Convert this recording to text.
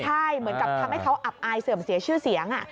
ใช่เหมือนกับทำให้เขาอับอายเสื่อมเสียชื่อเสียง